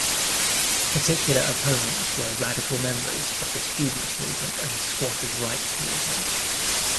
Particular opponents were radical members of the students' movement and squatters' rights movement.